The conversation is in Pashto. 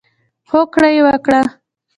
هوکړه یې وکړه.